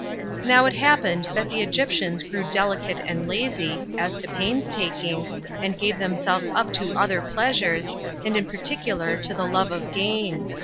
16 1. Now it happened that the Egyptians grew delicate and lazy, as to pains taking, and gave themselves up to other pleasures, and in particular to the love of gain.